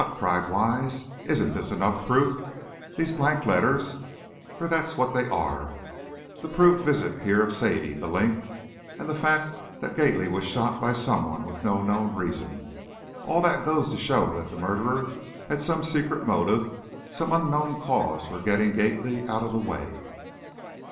cried Wise; "isn't this enough proof? These blank letters, for that's what they are, the proved visit here of Sadie, 'The Link,' and the fact that Gately was shot, by someone, with no known reason, all that goes to show that the murderer had some secret motive, some unknown cause for getting Gately out of the way."